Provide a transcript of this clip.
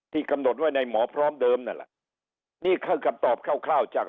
ที่กำหนดไว้ในหมอพร้อมเดิมนั่นแหละนี่คือกับตอบเข้าข้าวจาก